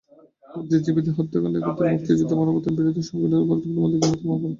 বুদ্ধিজীবীদের হত্যাকাণ্ড একাত্তরে মুক্তিযুদ্ধে মানবতার বিরুদ্ধে সংঘটিত অপরাধগুলোর মধ্যে ঘৃণ্যতম অপরাধ।